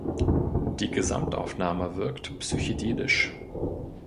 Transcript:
Die Gesamtaufnahme wirkt psychedelisch.